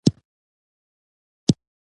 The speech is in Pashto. څنگه چې يې له نوم جوتېږي